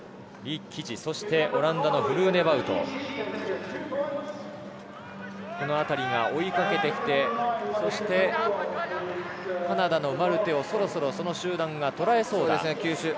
そしてオランダのフルーネバウトこの辺りが追いかけてきてそして、カナダのマルテをそろそろその集団が捉えそうだ。